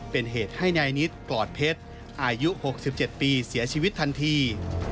เป็นเหตุให้นายนิดปลอดเพชรอายุ๖๗ปีเสียชีวิตทันที